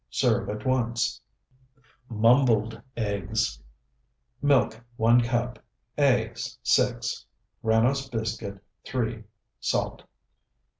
Serve at once. MUMBLED EGGS Milk, 1 cup. Eggs, 6. Granose biscuit, 3. Salt.